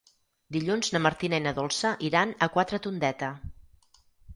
Dilluns na Martina i na Dolça iran a Quatretondeta.